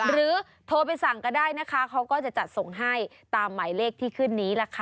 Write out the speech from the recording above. หรือโทรไปสั่งก็ได้นะคะเขาก็จะจัดส่งให้ตามหมายเลขที่ขึ้นนี้ล่ะค่ะ